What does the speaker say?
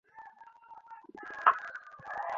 কিন্তু তার নিত্যনতুন রূপের যেন অভাব নেই।